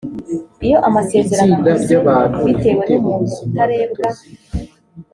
iyo amasezerano akozwe bitewe n umuntu utarebwa